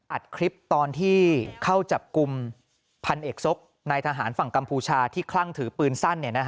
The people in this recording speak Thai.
อัดคลิปตอนที่เข้าจับกลุ่มพันเอกซกนายทหารฝั่งกัมพูชาที่คลั่งถือปืนสั้น